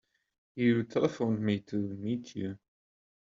You telephoned me to meet you.